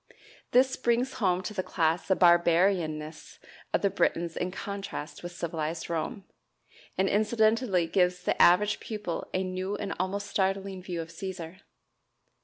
This brings home to the class the "barbarianness" of the Britons in contrast with civilized Rome, and incidentally gives the average pupil a new and almost startling view of "Cæsar"!